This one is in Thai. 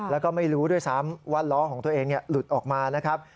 แล้วก็ไม่รู้ด้วยซ้ำว่าล้อของตัวเองหลุดออกมานะครับ